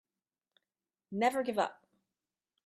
Never give up.